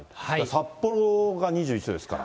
札幌が２１度ですから。